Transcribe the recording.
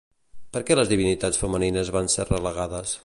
Per què les divinitats femenines van ser relegades?